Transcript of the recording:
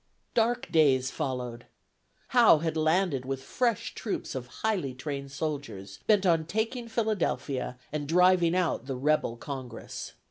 Dark days followed. Howe had landed with fresh troops of highly trained soldiers, bent on taking Philadelphia and driving out the Rebel Congress.